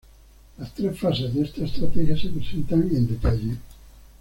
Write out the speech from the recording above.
Las tres fases de esta estrategia se presentan en detalle.